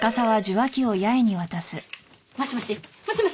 もしもし？もしもし！？